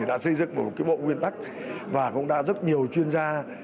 đã xây dựng một bộ nguyên tắc và cũng đã rất nhiều chuyên gia